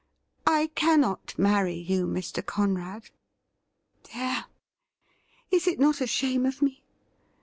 I cannot marry you, Mr. Conrad. There ! is it not a shame of me